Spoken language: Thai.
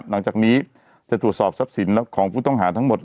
หลังจากนี้จะตรวจสอบทรัพย์สินของผู้ต้องหาทั้งหมด